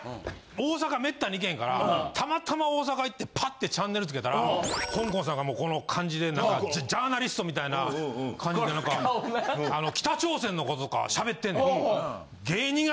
大阪めったに行けへんからたまたま大阪行ってパッてチャンネルつけたらほんこんさんがもうこの感じでなんかジャーナリストみたいな感じでなんか北朝鮮の事とか喋ってねん。